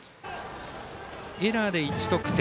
エラーで１得点。